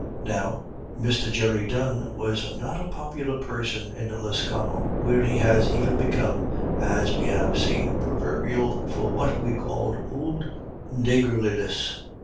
Now, Mr. Jerry Dunne was not a popular person in Lisconnel, where he has even become, as we have seen, proverbial for what we call "ould naygurliness."